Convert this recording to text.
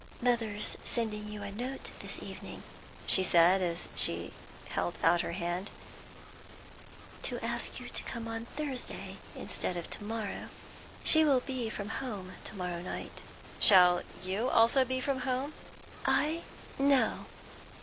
"Mother's sending you a note this evening," she said, as she held out her hand, "to ask you to come on Thursday instead of to morrow. She will be from home to morrow night." "Shall you also be from home?" "I? No."